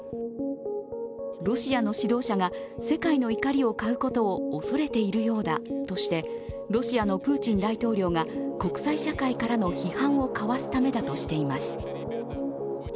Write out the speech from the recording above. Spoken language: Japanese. ロシアの指導者が世界の怒りを買うことを恐れているようだとしてロシアのプーチン大統領が国際社会からの批判をかわすためだとしています。